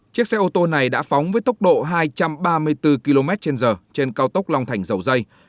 chiếc xe ô tô này đã phóng với tốc độ hai trăm ba mươi bốn kmh trên cao tốc long thành dầu dây